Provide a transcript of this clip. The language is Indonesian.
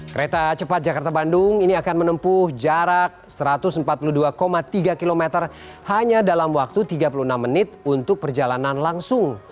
kereta cepat jakarta bandung ini akan menempuh jarak satu ratus empat puluh dua tiga km hanya dalam waktu tiga puluh enam menit untuk perjalanan langsung